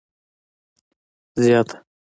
زیاته